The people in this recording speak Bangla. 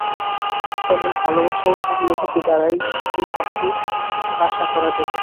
কেবল ভালবাসা ও সহানুভূতি দ্বারাই সুফল-প্রাপ্তির আশা করা যাইতে পারে।